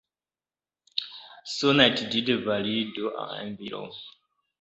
Son altitude varie de à environ.